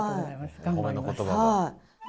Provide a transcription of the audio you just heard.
お褒めの言葉を。